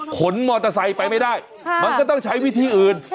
ขนมอเตอร์ไซค์ไปไม่ได้มันก็ต้องใช้วิธีอื่น